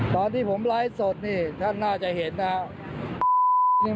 ตอนที่ผมไลฟ์สดนี่ท่านน่าจะเห็นนะครับ